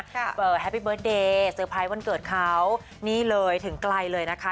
เอ่อแฮปปี้เบิร์ตเดย์เซอร์ไพรส์วันเกิดเขานี่เลยถึงไกลเลยนะคะ